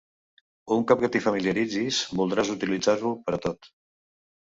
Un cop que t'hi familiaritzis, voldràs utilitzar-ho per a tot.